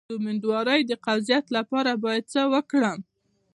د امیدوارۍ د قبضیت لپاره باید څه وکړم؟